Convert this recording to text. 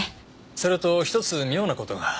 それと１つ妙な事が。